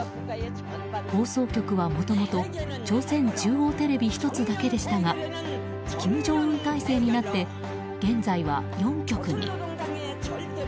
放送局はもともと朝鮮中央テレビ１つだけでしたが金正恩体制になって現在は４局に。